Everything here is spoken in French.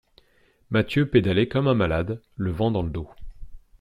Mathieu pédalait comme un malade, le vent dans le dos.